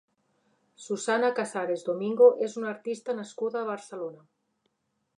Susana Casares Domingo és una artista nascuda a Barcelona.